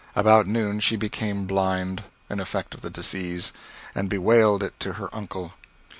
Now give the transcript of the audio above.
About noon she became blind (an effect of the disease) and bewailed it to her uncle.